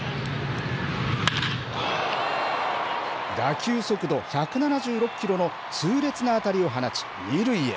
打球速度１７６キロの痛烈な当たりを放ち、二塁へ。